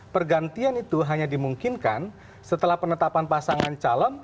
pergantian itu hanya dimungkinkan setelah penetapan pasangan calon